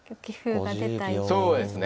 棋風が出た一手ですか。